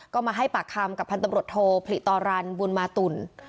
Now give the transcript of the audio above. ก็มาให้ปากคำกับพันธบรวจโทผลิตรันบุญมาตุล